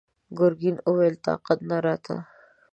ګرګين وويل: طاقت نه راته!